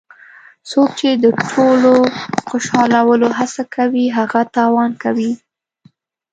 څوک چې د ټولو د خوشحالولو هڅه کوي هغه تاوان کوي.